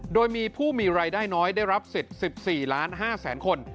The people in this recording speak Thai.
โดยมีผู้มีรายได้น้อยได้รับสิทธิ์๑๔ล้าน๕แสนคน